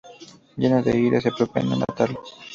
Lleno de ira, se propone matarlo.